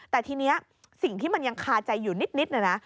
แต่ทีนี้สิ่งที่มันยังคาใจอยู่นิดเนี่ยนะ